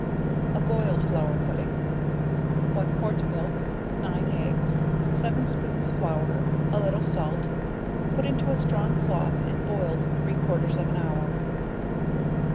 A boiled Flour Pudding. One quart milk, 9 eggs, 7 spoons flour, a little salt, put into a strong cloth and boiled three quarters of an hour.